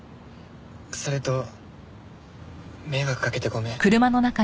それと迷惑かけてごめん。